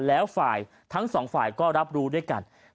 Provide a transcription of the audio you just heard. แล้วฝ่ายทั้งสองฝ่ายก็รับรู้ด้วยกัน